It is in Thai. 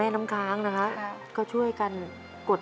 แต่ที่แม่ก็รักลูกมากทั้งสองคน